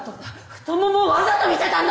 太ももをわざと見せたんだ！